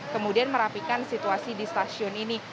kemudian merapikan situasi di stasiun ini